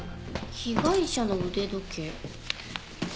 被害者の腕時計。